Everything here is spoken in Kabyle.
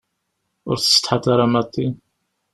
Ur tessetḥaḍ ara maḍi?